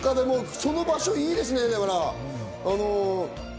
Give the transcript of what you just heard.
その場所いいですね、なかなか。